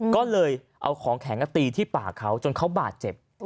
ก็เลยเอาของแข็งตีที่ปากเขาจนเขาบาดเจ็บ